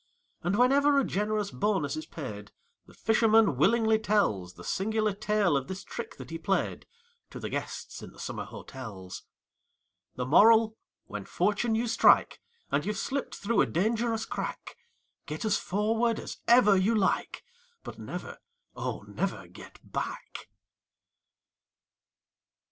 And, whenever a generous bonus is paid, The fisherman willingly tells The singular tale of this trick that he played, To the guests in the summer hotels. The Moral: When fortune you strike, And you've slipped through a dangerous crack, Get as forward as ever you like, But never, oh, never get back!